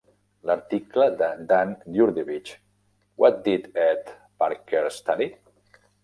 L'article de Dan Djurdjevic "What did Ed Parker Study?"